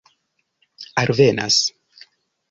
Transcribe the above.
alvenas